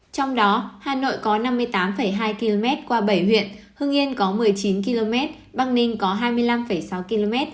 trong đó hà nội có năm mươi tám hai km qua bảy huyện hưng yên có một mươi chín km bắc ninh có hai mươi năm sáu km